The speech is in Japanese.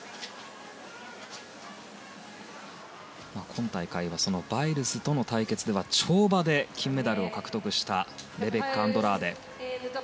今大会、バイルズとの対決では跳馬で金メダルを獲得したレベッカ・アンドラーデ。